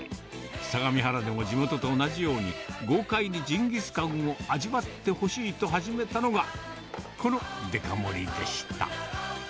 相模原でも地元と同じように、豪快にジンギスカンを味わってほしいと始めたのが、このデカ盛りでした。